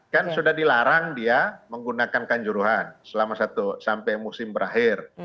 kan sudah dilarang dia menggunakan kanjuruhan selama satu sampai musim berakhir